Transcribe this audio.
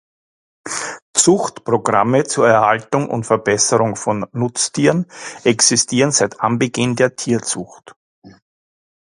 Zuchtprogramme zur Erhaltung und Verbesserung von Nutztieren existieren seit Anbeginn der Tierzucht.